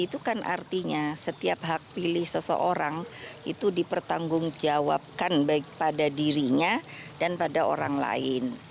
itu kan artinya setiap hak pilih seseorang itu dipertanggungjawabkan baik pada dirinya dan pada orang lain